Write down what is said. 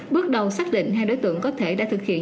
bước đầu xác định hai đối tượng có thể đã thực hiện